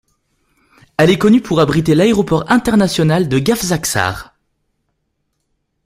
Elle est connue pour abriter l'aéroport international de Gafsa-Ksar.